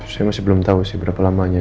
saya masih belum tahu sih berapa lamanya